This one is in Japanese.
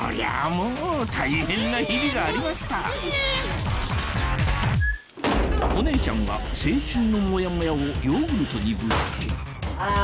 もう大変な日々がありましたお姉ちゃんが青春のモヤモヤをヨーグルトにぶつけああ。